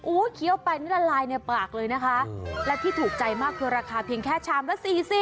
เคี้ยวไปนี่ละลายในปากเลยนะคะและที่ถูกใจมากคือราคาเพียงแค่ชามละสี่สิบ